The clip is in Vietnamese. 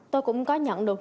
tôi cũng có nhận được